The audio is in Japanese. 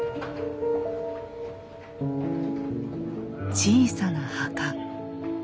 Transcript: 小さな墓。